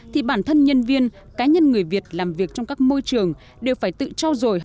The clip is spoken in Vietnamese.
thì bản thân nhân viên cá nhân người việt làm việc trong các môi trường đều phải tự trao dồi